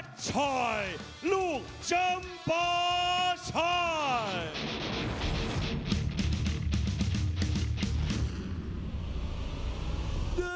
ตอนนี้มวยกู้ที่๓ของรายการ